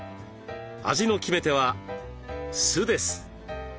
味の決め手は酢です。